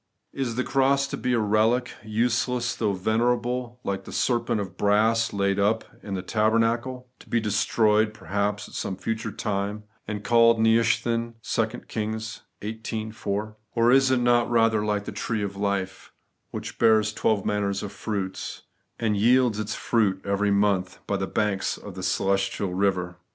Is the cross to be a relic, useless though venerable, like the serpent of brass laid up in the tabernacle ; to be destroyed perhaps at some future time, and eaUed Nehushtan? (2 Kings xviii 4.) Or is it not rather like the tree of life, which bears twelve manner of fruits, and yields its fruit every month, by the banks of the celestial river